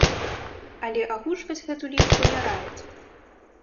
Але агучваць гэту лічбу не раяць.